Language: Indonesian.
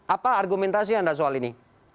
apa argumentasi anda soal ini